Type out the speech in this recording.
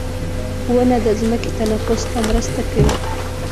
• ونه د ځمکې تنفس ته مرسته کوي.